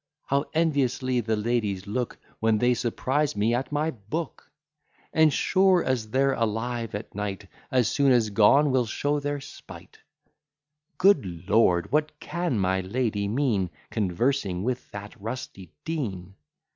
How enviously the ladies look, When they surprise me at my book! And sure as they're alive at night, As soon as gone will show their spight: Good lord! what can my lady mean, Conversing with that rusty Dean!